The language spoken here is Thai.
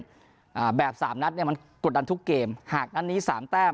อ่าแบบสามนัดเนี้ยมันกดดันทุกเกมหากนัดนี้สามแต้ม